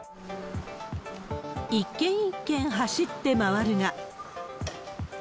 一軒一軒走って回るが。